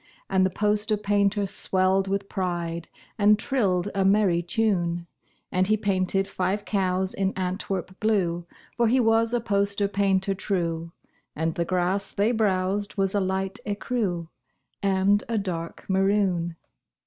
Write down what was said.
And the poster painter swelled with pride And trilled a merry tune. And he painted five cows in Antwerp blue (For he was a poster painter true), And the grass they browsed was a light écru And a dark maroon.